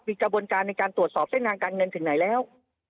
มีกระบวนการในการตรวจสอบเส้นทางการเงินถึงไหนแล้ว